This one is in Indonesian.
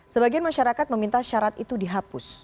sebagian masyarakat meminta syarat itu dihapus